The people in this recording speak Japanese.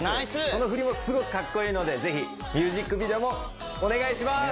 その振りもすごくかっこいいのでぜひミュージックビデオもお願いします！